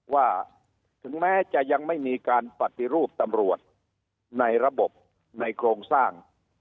ว่าถึงแม้จะยังไม่มีการปฏิรูปตำรวจในระบบในโครงสร้าง